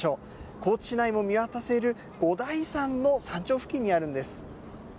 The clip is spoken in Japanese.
高知市内も見渡せる五台山の山頂付近にあるんです。